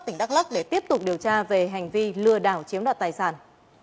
tỉnh đắk lắc để tiếp tục điều tra về hành vi lừa đảo chiếm đoạt tài sản